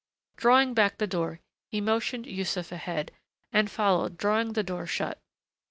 Drawing back the door he motioned Yussuf ahead, and followed, drawing the door shut.